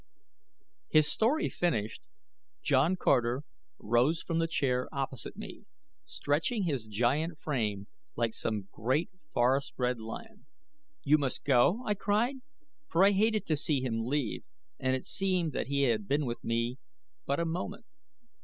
His story finished, John Carter rose from the chair opposite me, stretching his giant frame like some great forest bred lion. "You must go?" I cried, for I hated to see him leave and it seemed that he had been with me but a moment.